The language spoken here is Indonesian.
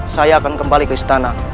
saya akan kembali ke istana